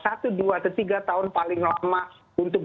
atau tiga tahun paling lama untuk